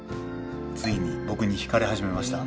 ついに僕に引かれ始めました？